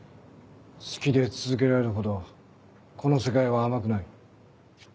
好きで続けられるほどこの世界は甘くない。